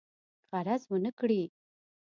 غرض ونه کړي.